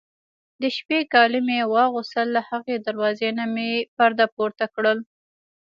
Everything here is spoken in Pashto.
د شپې کالي مې واغوستل، له هغې دروازې نه مې پرده پورته کړل.